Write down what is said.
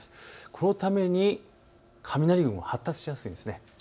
このために雷雲が発達しやすいんです。